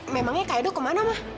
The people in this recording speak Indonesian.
memangnya kak edo kemana mbak